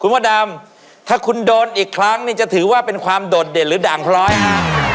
พระดำถ้าคุณโดนอีกครั้งนี่จะถือว่าเป็นความโดดเด่นหรือด่างพร้อยฮะ